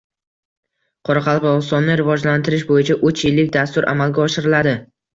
Qoraqalpog‘istonni rivojlantirish bo‘yicha uch yillik dastur amalga oshiriladi